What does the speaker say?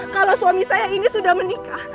kalau suami saya ini sudah menikah